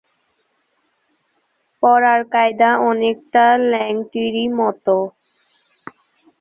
পরার কায়দা অনেকটা লেংটিরই মতো।